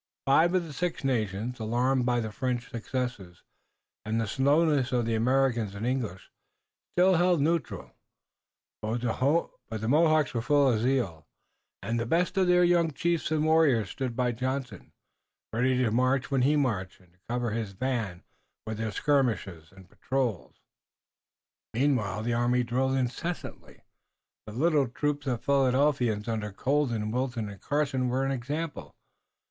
Five of the Six Nations, alarmed by the French successes and the slowness of the Americans and English, still held neutral, but the Mohawks were full of zeal, and the best of their young chiefs and warriors stood by Johnson, ready to march when he marched, and to cover his van with their skirmishers and patrols. Meanwhile the army drilled incessantly. The little troop of Philadelphians under Colden, Wilton and Carson were an example.